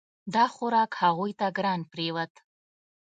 دا خوراک هغوی ته ګران پریوت.